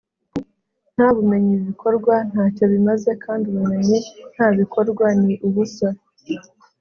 nta bumenyi ibikorwa nta cyo bimaze kandi ubumenyi nta bikorwa ni ubusa